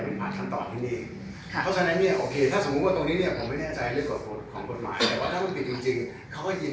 มีบางคนว่าการที่ใช้ดาราเป็นดีเซ็นเตอร์พวกประธานการณ์เจอพ่องานหรืออาหารเสริม